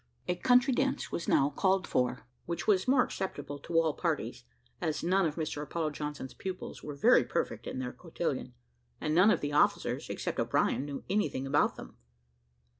A country dance was now called for, which was more acceptable to all parties, as none of Mr Apollo Johnson's pupils were very perfect in their cotillon, and none of the officers, except O'Brien, knew anything about them.